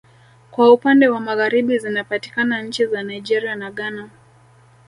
Kwa upande wa Magharibi zinapatikana nchi za Nigeria na Ghana